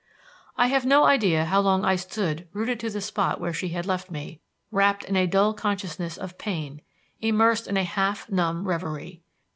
I have no idea how long I stood rooted to the spot where she had left me, wrapped in a dull consciousness of pain, immersed in a half numb reverie.